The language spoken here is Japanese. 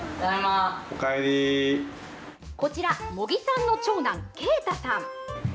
こちら茂木さんの長男・慶太さん。